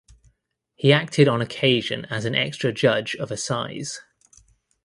He acted on occasion as an extra judge of assize.